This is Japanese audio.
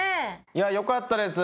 いやよかったです